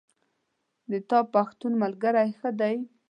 د تا پښتون ملګری ښه ده